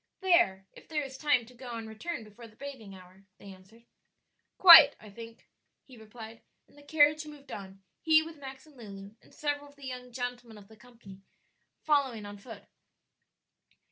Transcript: "There, if there is time to go and return before the bathing hour," they answered. "Quite. I think," he replied, and the carriage moved on, he with Max and Lulu, and several of the young gentlemen of the company following on foot.